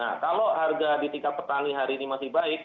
nah kalau harga di tingkat petani hari ini masih baik